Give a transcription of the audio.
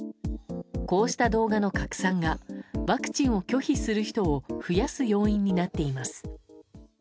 こうした動画の拡散がワクチンを拒否する人を増やす要因になっています。